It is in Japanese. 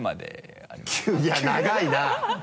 いや長いな！